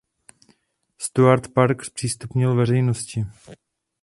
Stuart park zpřístupnil veřejnosti.